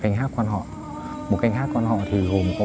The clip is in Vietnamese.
ý á la ôi á ôi ơ ơ